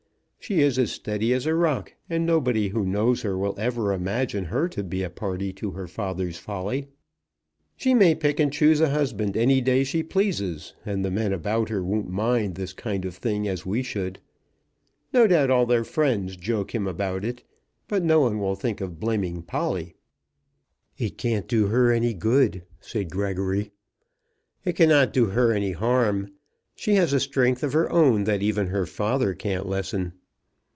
She is as steady as a rock; and nobody who knows her will ever imagine her to be a party to her father's folly. She may pick and choose a husband any day she pleases. And the men about her won't mind this kind of thing as we should. No doubt all their friends joke him about it, but no one will think of blaming Polly." "It can't do her any good," said Gregory. "It cannot do her any harm. She has a strength of her own that even her father can't lessen."